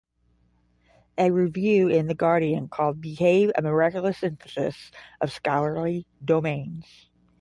A review in "The Guardian" called "Behave" "a miraculous synthesis of scholarly domains".